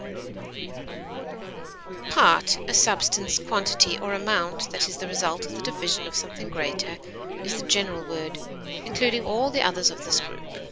element, Part, a substance, quantity, or amount that is the result of the division of something greater, is the general word, including all the others of this group.